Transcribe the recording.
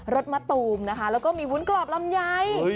สมะตูมนะคะแล้วก็มีวุ้นกรอบลำไย